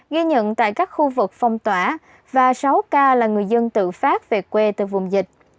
ghi nhận tại các khu vực phong tỏa và sáu ca là người dân tự phát về quê từ vùng dịch